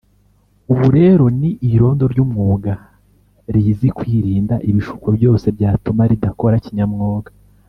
ubu rero ni irondo ry’umwuga rizi kwirinda ibishuko byose byatuma ridakora kinyamwuga